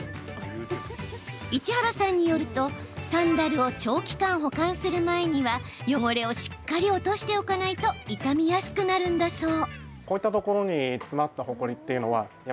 市原さんによるとサンダルを長期間保管する前には汚れをしっかり落としておかないと傷みやすくなるんだそう。